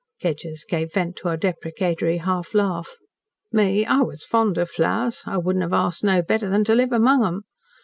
Kedgers gave vent to a deprecatory half laugh. "Me I was fond of flowers. I wouldn't have asked no better than to live among 'em.